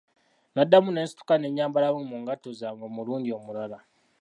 Naddamu ne nsituka ne nyambalamu mu ngatto zange omulundi omulala.